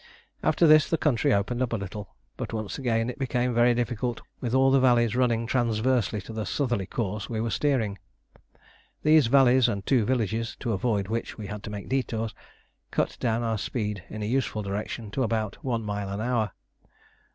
After this the country opened up a little, but once again it became very difficult, with all the valleys running transversely to the southerly course we were steering. These valleys and two villages, to avoid which we had to make detours, cut down our speed in a useful direction to about one mile an hour.